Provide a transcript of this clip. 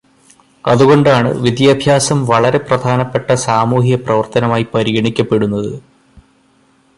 അതുകൊണ്ടാണ് വിദ്യാഭ്യാസം വളരെ പ്രധാനപ്പെട്ട സാമൂഹ്യപ്രവർത്തനമായി പരിഗണിക്കപ്പെടുന്നത്.